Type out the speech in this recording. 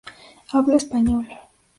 Habla español.